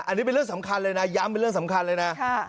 อันนี้เป็นเรื่องสำคัญเลยนะย้ำเป็นเรื่องสำคัญเลยนะ